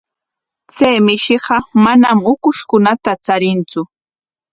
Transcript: Chay mishiqa manam ukushkunata charintsu.